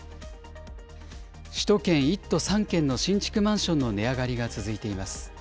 首都圏１都３県の新築マンションの値上がりが続いています。